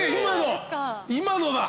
今の！